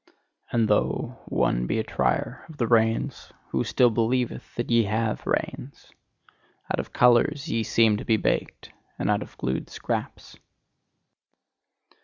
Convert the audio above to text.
And though one be a trier of the reins, who still believeth that ye have reins! Out of colours ye seem to be baked, and out of glued scraps.